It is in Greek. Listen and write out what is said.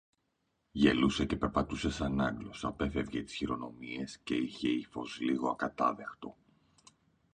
Γελούσε και περπατούσε σαν Άγγλος, απέφευγε τις χειρονομίες και είχε ύφος λίγο ακατάδεχτο